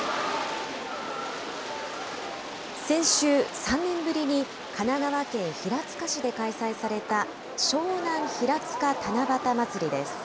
先週、３年ぶりに神奈川県平塚市で開催された、湘南ひらつか七夕まつりです。